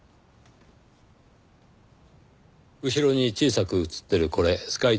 後ろに小さく写ってるこれスカイツリー。